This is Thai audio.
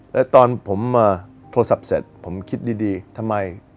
แล้วตอนผมมาโทรศัพท์เสร็จผมคิดดีทำไม